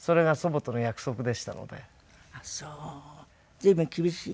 随分厳しい？